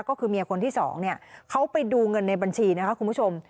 ก็คือเมียคนที่สองเนี่ยเขาไปดูเงินในบัญชีนะคะคุณผู้ชม